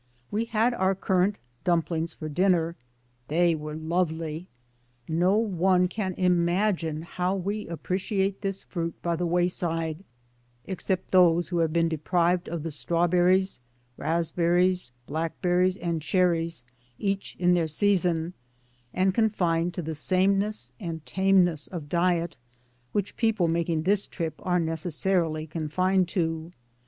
We had our currant dumplings for dinner. They were lovely. No one can imagine how we appreciate this 210 DAYS ON THE ROAD. fruit by the wayside, except those who have been deprived of the strawberries, raspber ries, blackberries and cherries, each in their season, and confined to the sameness and tameness of diet, which people making this trip are necessarily confined to.